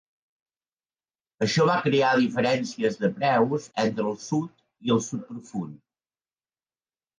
Això va crear diferències de preus entre el sud i el sud profund.